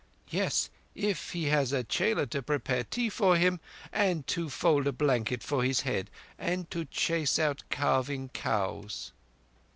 "Yes; if he has a chela to prepare tea for him, and to fold a blanket for his head, and to chase out calving cows."